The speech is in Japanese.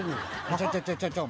ちょちょちょちょちょ